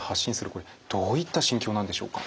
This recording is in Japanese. これどういった心境なんでしょうか。